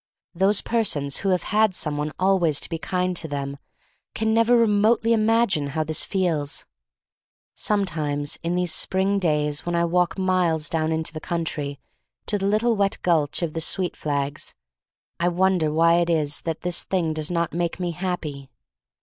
"Those persons who have had some one always to be kind to them can never remotely imagine how this feels. "Sometimes in these spring days when I walk miles down into the coun try to the little wet gulch of the sweet flags, I wonder why it is that this thing does not make me happy.